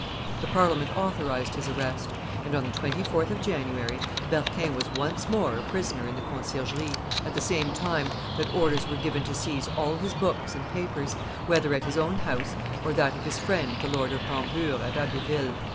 The Parliament authorized his arrest; and, on the 24th of January, Berquin was once more a prisoner in the Conciergerie, at the same time that orders were given to seize all his books and papers, whether at his own house or at that of his friend the Lord of Rambure at Abbeville.